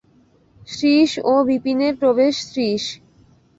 শ্রীশ ও বিপিনের প্রবেশ শ্রীশ।